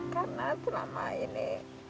karena selama ini